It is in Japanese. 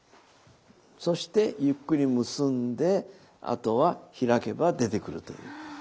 そしてゆっくり結んであとは開けば出てくるという。